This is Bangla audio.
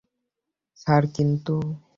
স্যার, কিন্তু।